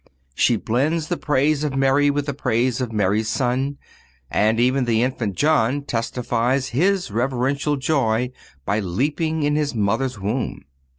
She blends the praise of Mary with the praise of Mary's Son, and even the infant John testifies his reverential joy by leaping in his mother's womb.